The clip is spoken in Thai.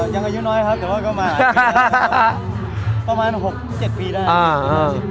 ยังอายุน้อยครับแต่ว่าก็มาประมาณ๖๗ปีได้